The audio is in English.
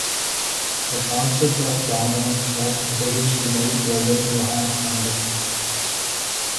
The concept of dominance was introduced by Gregor Johann Mendel.